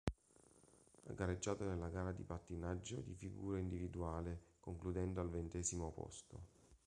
Ha gareggiato nella gara di pattinaggio di figura individuale concludendo al ventesimo posto.